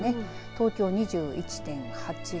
東京２１．８度。